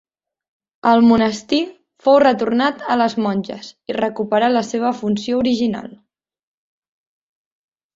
El monestir fou retornat a les monges i recuperà la seva funció original.